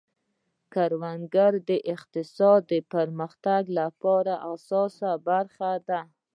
کروندګري د اقتصاد د پرمختګ لپاره اساسي برخه ده.